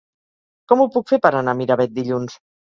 Com ho puc fer per anar a Miravet dilluns?